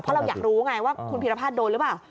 เพราะเราอยากรู้ไงว่าคุณพีรพัฒน์โดนหรือเปล่า